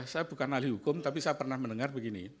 saya bukan ahli hukum tapi saya pernah mendengar begini